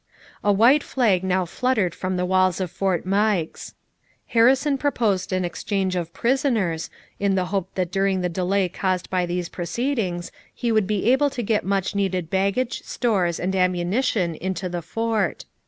A white flag now fluttered from the walls of Fort Meigs. Harrison proposed an exchange of prisoners, in the hope that during the delay caused by these proceedings he would be able to get much needed baggage, stores, and ammunition into the fort.